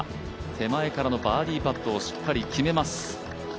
手前からのバーディーパットをしっかり決めます。